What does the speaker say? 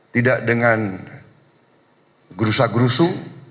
tidak dengan gerusa gerusu